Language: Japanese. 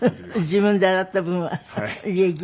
自分で洗った分は家着？